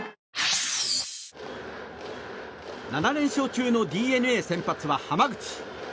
７連勝中のＤｅＮＡ先発は濱口。